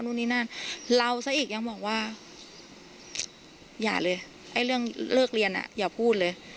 นู่นนี่นั่นเราซะอีกยังบอกว่าอย่าเลยไอ้เรื่องเลิกเรียนอย่าพูดเลย